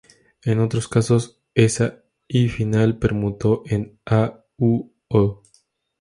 En otros casos, esa –i final permutó en -a, u –o.